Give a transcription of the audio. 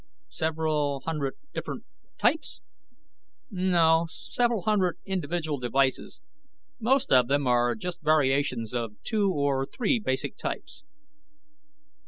"Several hundred different types?" "No. Several hundred individual devices. Most of them are just variations of two or three basic types."